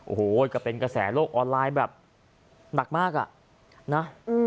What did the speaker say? โอ้โหก็เป็นกระแสโลกออนไลน์แบบหนักมากอ่ะนะ